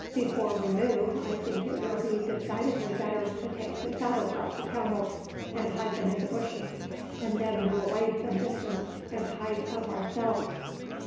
Before we move I think it will be decidedly better to take the saddles off the camels and hide them in the bushes, and then move away some distance and hide up ourselves.